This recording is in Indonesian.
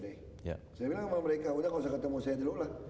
saya bilang sama mereka udah gak usah ketemu saya dulu lah